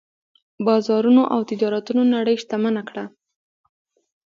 بازارونو او تجارتونو نړۍ شتمنه کړه.